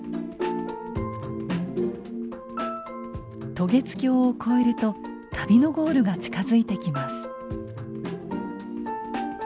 渡月橋を越えると旅のゴールが近づいてきます。